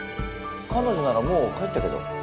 彼女ならもう帰ったけど。